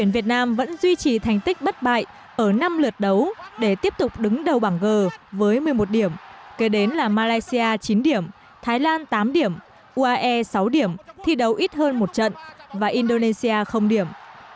với một mươi một điểm kế đến là malaysia chín điểm thái lan tám điểm uae sáu điểm thi đấu ít hơn một trận và indonesia điểm